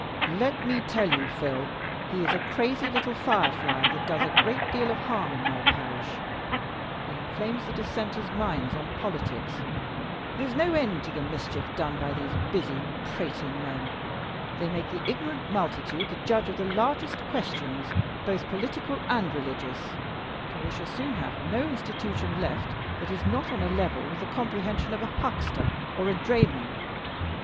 "Let me tell you, Phil, he's a crazy little firefly, that does a great deal of harm in my parish. He inflames the Dissenters' minds on politics. There's no end to the mischief done by these busy, prating men. They make the ignorant multitude the judges of the largest questions, both political and religious, till we shall soon have no institution left that is not on a level with the comprehension of a huckster or a drayman.